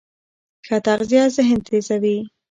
ښه تغذیه ذهن تېزوي.